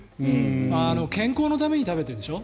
健康のために食べてるんでしょ。